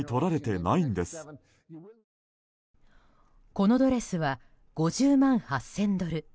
このドレスは５０万８０００ドル